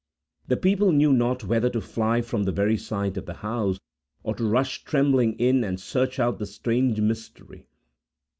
The people knew not whether to fly from the very sight of the house, or to rush trembling in, and search out the strange mystery.